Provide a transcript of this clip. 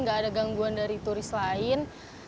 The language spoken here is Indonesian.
nggak ada gangguan dari turis lain